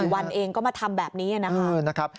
วันเองก็มาทำแบบนี้นะคะ